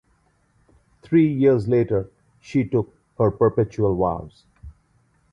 Three years later she took her perpetual vows.